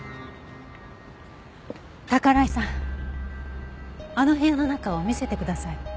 宝居さんあの部屋の中を見せてください。